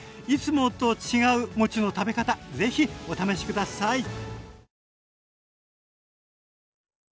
いつもと違うもちの食べ方ぜひお試し下さい！